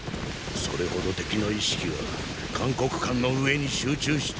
それほど敵の意識は函谷関の上に集中している。